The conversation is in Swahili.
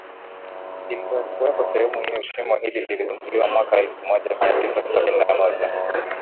lililokuwepo sehemu hiyo Shimo hili liligunduliwa mwaka elfumoja miatisa sabini na moja